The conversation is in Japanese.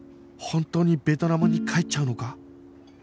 本当にベトナムに帰っちゃうのか？